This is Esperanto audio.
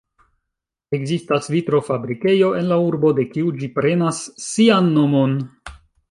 Ekzistas vitro-fabrikejo en la urbo, de kiu ĝi prenas sian nomon.